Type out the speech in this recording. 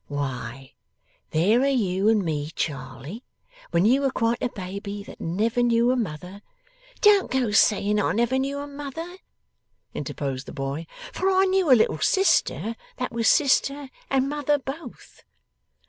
'Why, there are you and me, Charley, when you were quite a baby that never knew a mother ' 'Don't go saying I never knew a mother,' interposed the boy, 'for I knew a little sister that was sister and mother both.